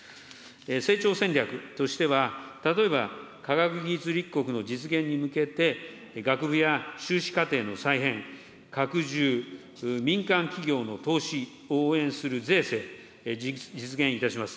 成長戦略としては、例えば、科学技術立国の実現に向けて、学部や修士課程の再編、拡充、民間企業の投資を応援する税制、実現いたします。